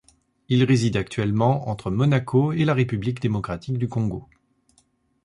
Il réside actuellement entre Monaco et la République démocratique du Congo.